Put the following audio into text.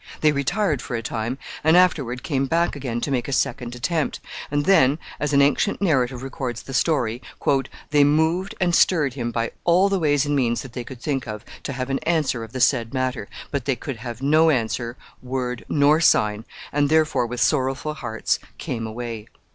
They retired for a time, and afterward came back again to make a second attempt, and then, as an ancient narrative records the story, "they moved and stirred him by all the ways and means that they could think of to have an answer of the said matter, but they could have no answer, word nor sign, and therefore, with sorrowful hearts, came away."